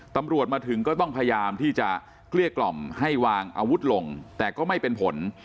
ตำรวจมาถึงก็ต้องพยายามที่จะเกลี้ยกล่อมให้วางอาวุธลงแต่ก็ไม่เป็นผล